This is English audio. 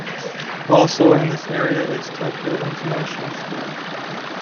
Also in this area is Tokyo International School.